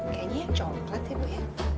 kayaknya yang cokelat ibu ya